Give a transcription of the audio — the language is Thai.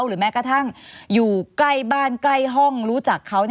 หรือแม้กระทั่งอยู่ใกล้บ้านใกล้ห้องรู้จักเขา